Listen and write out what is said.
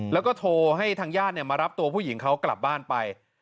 แล้วก็โทรให้ทางญาติมารับตัวผู้หญิงเขากลับบ้านไป